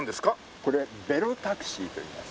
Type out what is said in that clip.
これベロタクシーといいます。